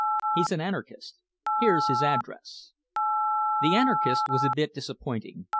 He's an anarchist. Here's his address." The anarchist was a bit disappointing.